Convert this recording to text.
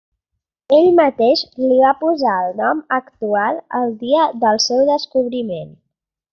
Ell mateix li va posar el nom actual, el dia del seu descobriment.